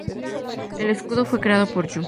El escudo fue creado por Yu.